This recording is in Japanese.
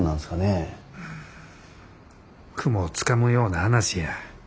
うん雲をつかむような話や。